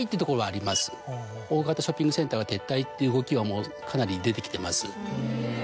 大型ショッピングセンターが撤退っていう動きはもうかなり出てきてます。